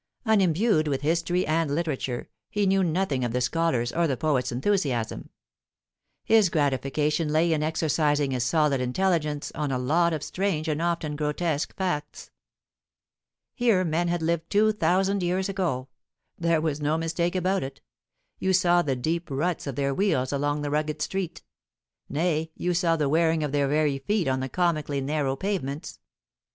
Unimbued with history and literature, he knew nothing of the scholar's or the poet's enthusiasm; his gratification lay in exercising his solid intelligence on a lot of strange and often grotesque facts. Here men had lived two thousand years ago. There was no mistake about it; you saw the deep ruts of their wheels along the rugged street; nay, you saw the wearing of their very feet on the comically narrow pavements.